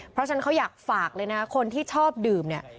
เพราะฉะนั้นเขาอยากฝากเลยนะคนที่ชอบดื่มเนี่ย